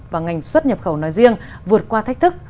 và ngành xuất nhập khẩu nói riêng vượt qua thách thức